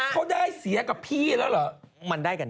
เขาได้เสียกับพี่แล้วเหรอ